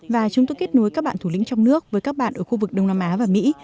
và chúng tôi kết nối các bạn thủ lĩnh trong nước với các bạn ở khu vực đông nam á và mỹ